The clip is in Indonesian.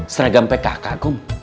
seragam pkk kum